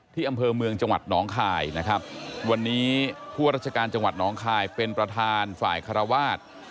อำเภอเมืองจังหวัดหนองคายนะครับวันนี้ผู้ราชการจังหวัดน้องคายเป็นประธานฝ่ายคารวาส